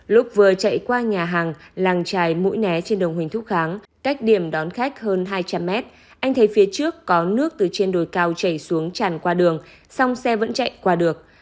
lúc vừa chạy qua nhà hàng làng trài mũi né trên đường huỳnh thúc kháng cách điểm đón khách hơn hai trăm linh mét anh thấy phía trước có nước từ trên đồi cao chảy xuống tràn qua đường song xe vẫn chạy qua được